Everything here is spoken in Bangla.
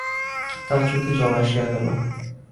তার চোখে জল আসিয়া গেল।